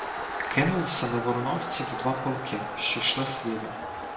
Кинулися на воронівців два полки, що йшли слідом.